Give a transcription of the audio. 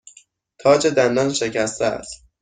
تاج دندان شکسته است.